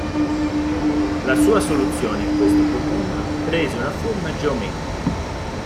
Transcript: La sua soluzione a questo problema prese una forma geometrica.